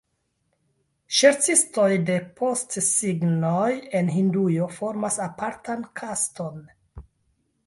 Serĉistoj de postesignoj en Hindujo formas apartan kaston.